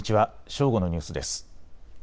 正午のニュースです。